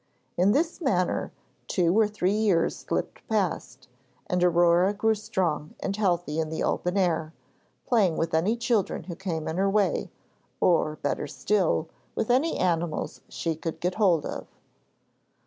In this manner two or three years slipped past, and Aurore grew strong and healthy in the open air, playing with any children who came in her way, or, better still, with any animals she could get hold of.